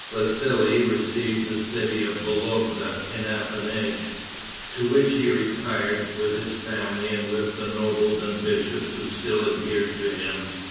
Vassali received the city of Vologda in appanage, to which he retired, with his family, and with the nobles and bishops who still adhered to him.